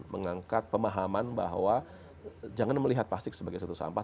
mengangkat pemahaman bahwa jangan melihat plastik sebagai satu sampah